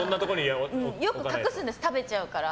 よく隠すんです、食べちゃうから。